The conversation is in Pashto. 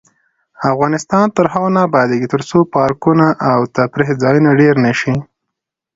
افغانستان تر هغو نه ابادیږي، ترڅو پارکونه او تفریح ځایونه ډیر نشي.